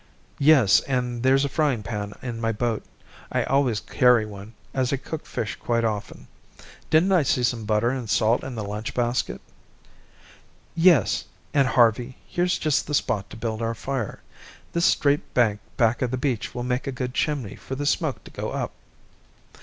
"Yes, and there's a frying pan in my boat. I always carry one, as I cook fish quite often. Didn't I see some butter and salt in the lunch basket?" "Yes, and, Harvey, here's just the spot to build our fire. This straight bank back of the beach will make a good chimney for the smoke to go up."